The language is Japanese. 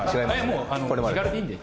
もう気軽でいいんで。